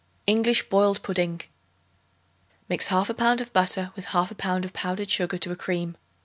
English Boiled Pudding. Mix 1/2 pound of butter with 1/2 pound of powdered sugar to a cream.